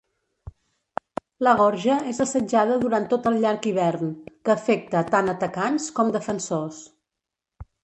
La Gorja és assetjada durant tot el Llarg Hivern, que afecta tant atacants com defensors.